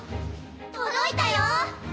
届いたよ！